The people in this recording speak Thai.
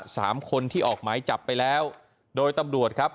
สามคนที่ออกหมายจับไปแล้วโดยตำรวจครับ